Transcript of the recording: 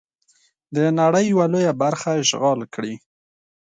د نړۍ یوه لویه برخه اشغال کړي.